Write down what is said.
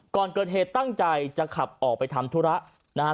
ก่อนเกิดเหตุตั้งใจจะขับออกไปทำธุระนะฮะ